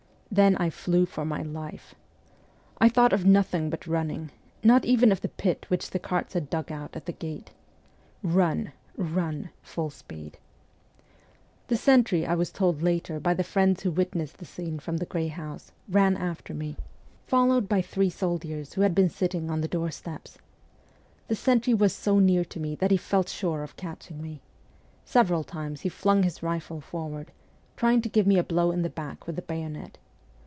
Then I flew for my life. I thought of nothing but running not even of the pit which the carts had dug out at the gate. Run ! run ! full speed ! The sentry, I was told later by the friends who witnessed the scene from the grey house, ran after me, 174 MEMOIRS OF A REVOLUTIONIST followed by three soldiers who had been sitting on the doorsteps. The sentry was so near to me that he felt sure of catching me. Several times he flung his rifle forward, trying to give me a blow in the back with the bayonet.